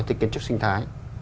thì kiến trúc sinh thái